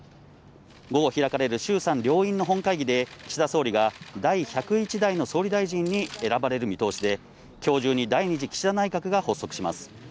午後開かれる衆参両院の本会議で、岸田総理が第１０１代の総理大臣に選ばれる見通しで、今日中に第２次岸田内閣が発足します。